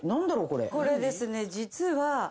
これですね実は。